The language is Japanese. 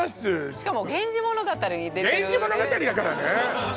しかも「源氏物語」に出てる「源氏物語」だからね